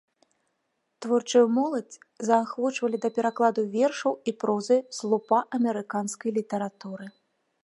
Творчую моладзь заахвочвалі да перакладу вершаў і прозы слупа амерыканскай літаратуры.